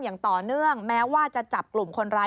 อย่างต่อเนื่องแม้ว่าจะจับกลุ่มคนร้าย